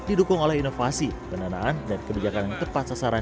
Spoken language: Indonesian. didukung oleh inovasi pendanaan dan kebijakan yang tepat sasaran